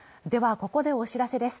ここでお知らせです